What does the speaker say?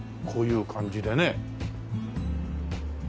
こういう感じでね。